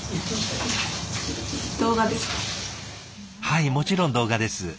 はいもちろん動画です。